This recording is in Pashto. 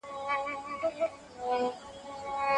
د جانان وروستی دیدن دی بیا به نه وي دیدنونه